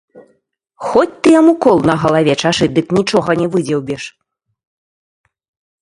Хоць ты яму кол на галаве чашы, дык нічога не выдзеўбеш.